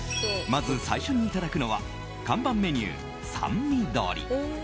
まず最初にいただくのは看板メニュー、三味鶏。